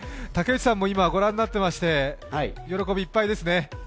竹内さんも今ご覧になっていて、喜びいっぱいですね。